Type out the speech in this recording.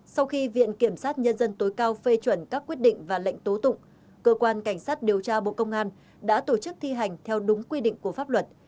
sau khi viện kiểm sát nhân dân tối cao phê chuẩn các quyết định và lệnh tố tụng cơ quan cảnh sát điều tra bộ công an đã tổ chức thi hành theo đúng quy định của pháp luật